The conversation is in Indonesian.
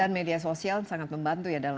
dan media sosial sangat membantu ya dalam hal ini